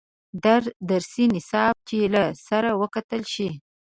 درسي نصاب یې له سره وکتل شي.